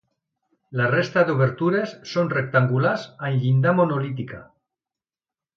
La resta d’obertures són rectangulars amb llinda monolítica.